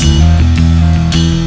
ke betapa kuat